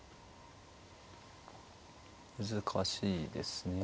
難しいですね。